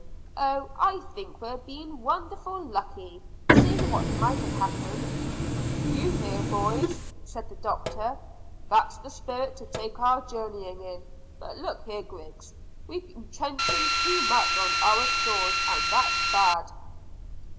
"Oh, I think we're been wonderfully lucky, seeing what might have happened." "Do you hear, boys?" said the doctor. "That's the spirit to take our journey in. But look here, Griggs, we've been trenching too much on our stores, and that's bad."